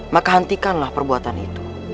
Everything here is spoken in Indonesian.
maka hentikanlah perbuatanmu